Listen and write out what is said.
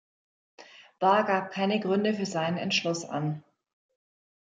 Bahr gab keine Gründe für seinen Entschluss an.